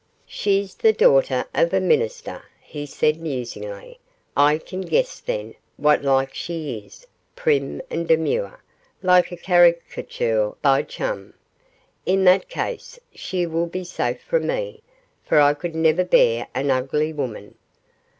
'She's the daughter of a minister,' he said, musingly. 'I can guess, then, what like she is prim and demure, like a caricature by Cham. In that case she will be safe from me, for I could never bear an ugly woman.